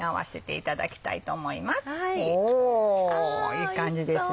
いい感じですね。